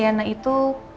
tapi yang jelas siana itu